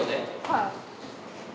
はい。